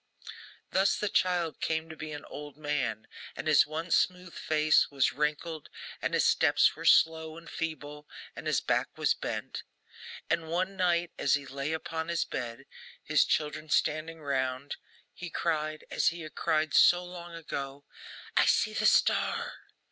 Thus the child came to be an old man, and his once smooth face was wrinkled, and his steps were slow and feeble, and his back was bent. And one night as he lay upon his bed, his children standing round, he cried, as he had cried so long ago: 'I see the star!